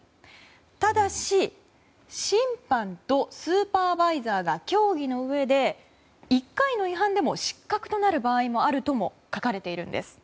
ただし審判とスーパーバイザーが協議のうえで１回の違反でも失格となる場合もあるとも書かれているんです。